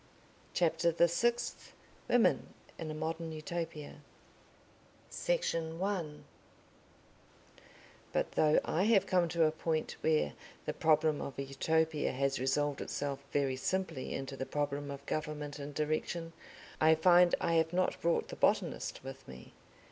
CHAPTER THE SIXTH Women in a Modern Utopia Section 1 But though I have come to a point where the problem of a Utopia has resolved itself very simply into the problem of government and direction, I find I have not brought the botanist with me.